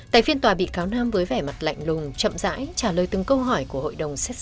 tài phiên tòa bị cáo nam với vẻ mặt lạnh lùng chậm rãi trả lời từng câu hỏi